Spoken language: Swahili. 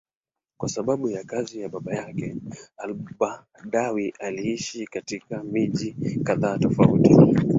Kwa sababu ya kazi ya baba yake, al-Badawi aliishi katika miji kadhaa tofauti.